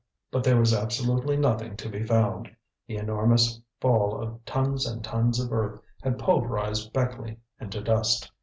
But there was absolutely nothing to be found. The enormous fall of tons and tons of earth had pulverized Beckleigh into dust.